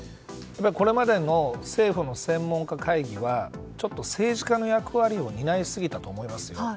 これまでの政府の専門家会議は政治家の役割を担いすぎたと思います。